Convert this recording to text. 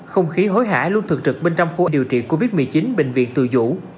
không khí hối hải luôn thường trực bên trong khu điều trị covid một mươi chín bệnh viện từ dũ